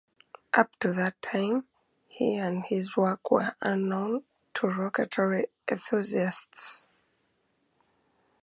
Up to that time, he and his work were unknown to rocketry enthusiasts.